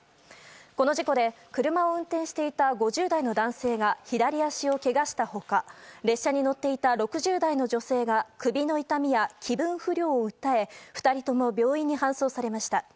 この事故で車を運転していた５０代の男性が左足をけがした他列車に乗っていた６０代の女性が首の痛みや気分不良を訴え２人とも病院に搬送されました。